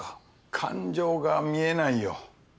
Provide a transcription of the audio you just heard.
感情が見えないよ。